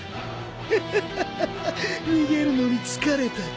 フハハハ逃げるのに疲れたか。